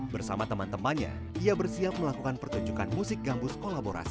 bersama teman temannya ia bersiap melakukan pertunjukan musik gambus kolaborasi